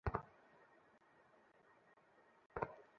বড়লোক কোটিপতি পরিবারের সাথে সম্পর্ক করতে যাচ্ছো।